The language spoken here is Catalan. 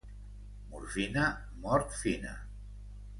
Morfina, mort fina.